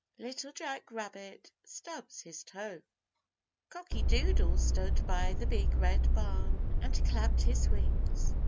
LITTLE JACK RABBIT STUBS HIS TOE COCKY DOODLE stood by the Big Red Barn and clapped his wings.